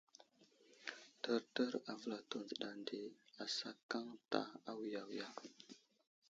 Təryər avəlato dzəɗa nde asakaŋ ta awiya wiga.